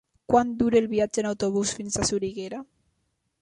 Quant dura el viatge en autobús fins a Soriguera?